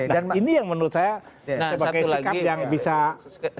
dan ini yang menurut saya sebagai sikap yang bisa muncul